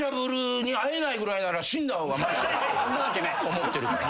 思ってるから。